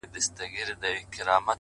په خوښۍ کي به مي ستا د ياد ډېوه وي ـ